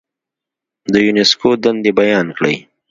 د یونسکو دندې بیان کړئ.